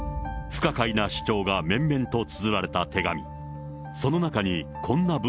不可解な主張が綿々とつづられた手紙。